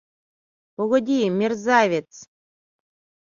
Погоди, мерзавец!